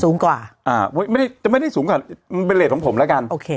สูงกว่าอ่าไม่ได้จะไม่ได้สูงกว่ามันเป็นเลสของผมแล้วกันโอเค